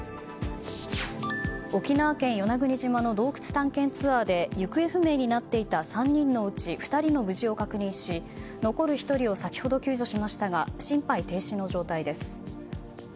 沖縄県与那国島の洞窟探検ツアーで行方不明になっていた３人のうち２人の無事を確認し残る１人を先ほど救助しましたが心肺停止の状態です。